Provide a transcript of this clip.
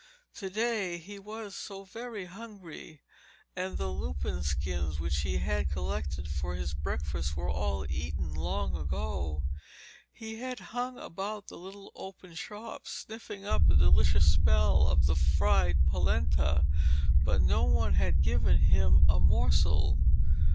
To day he was so very hungry, and the lupin skins which he had collected for his breakfast were all eaten long ago. He had hung about the little open shops, sniffing up the delicious smell of fried polenta, but no one had given him a morsel.